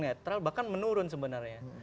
netral bahkan menurun sebenarnya